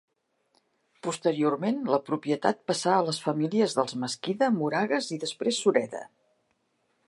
Posteriorment la propietat passà a les famílies dels Mesquida, Moragues i després Sureda.